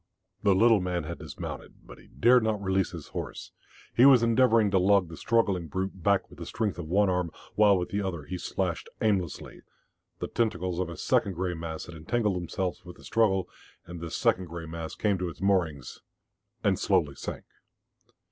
The little man had dismounted, but he dared not release his horse. He was endeavouring to lug the struggling brute back with the strength of one arm, while with the other he slashed aimlessly, The tentacles of a second grey mass had entangled themselves with the struggle, and this second grey mass came to its moorings, and slowly sank.